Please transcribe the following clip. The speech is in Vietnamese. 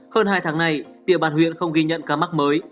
hơn hai tháng nay địa bàn huyện không ghi nhận ca mắc mới